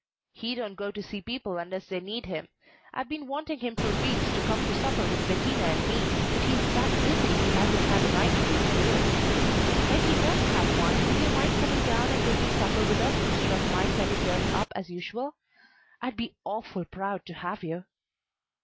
"He don't go to see people unless they need him. I've been wanting him for weeks to come to supper with Bettina and me, but he's that busy he hasn't had a night free to do it. When he does have one, would you mind coming down and taking supper with us instead of my sending yours up as usual? I'd be awful proud to have you."